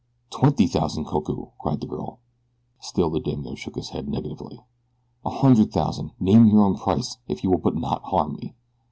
"Twenty thousand koku!" cried the girl. Still the daimio shook his head negatively. "A hundred thousand name your own price, if you will but not harm me."